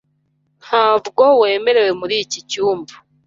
Ntabwo wemerewe muri iki cyumba .